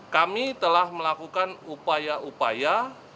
kami telah melakukan upaya upaya